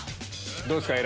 どうですか？